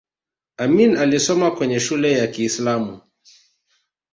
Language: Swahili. amin alisoma kwenye shule ya kiislamu